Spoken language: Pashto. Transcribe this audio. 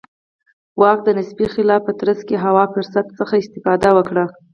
د واک د نسبي خلا په ترڅ کې هوا فرصت څخه استفاده وکړه.